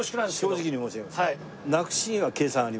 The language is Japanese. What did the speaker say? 正直に申し上げます。